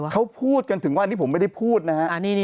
เขาพูดกันถึงวันนี้ผมไม่ได้พูดนะฮะ